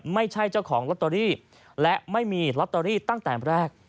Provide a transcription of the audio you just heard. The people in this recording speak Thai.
ไม่ใช่เจ้าของลอตเตอรี่และไม่มีลอตเตอรี่ตั้งแต่แรก